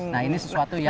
nah ini sesuatu yang